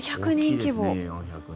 ４００人規模。